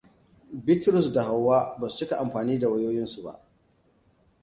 Bitrus da Hauwa basu cika amfani da wayoyinsu ba.